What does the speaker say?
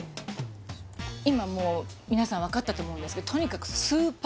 今もう皆さん分かったと思うんですけどとにかくあ